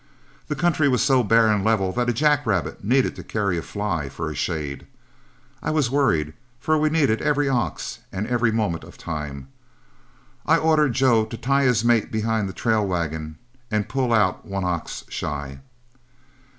The country was so bare and level that a jack rabbit needed to carry a fly for shade. I was worried, for we needed every ox and every moment of time. I ordered Joe to tie his mate behind the trail wagon and pull out one ox shy.